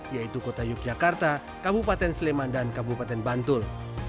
yaitu kota yogyakarta kabupaten sleman dan kabupaten bantul